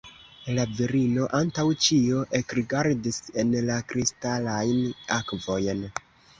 La virino antaŭ ĉio ekrigardis en la kristalajn akvojn.